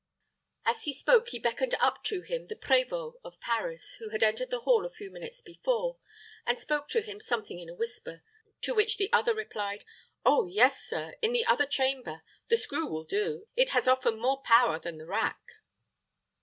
As he spoke he beckoned up to him the prévôt of Paris, who had entered the hall a few minutes before, and spoke to him something in a whisper; to which the other replied, "Oh yes, sir, in the other chamber; the screw will do; it has often more power than the rack."